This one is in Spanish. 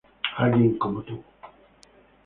Alguien como tú